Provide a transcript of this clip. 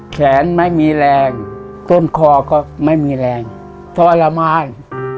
แขนไม่มีแรงต้นคอก็ไม่มีแรงทรมาน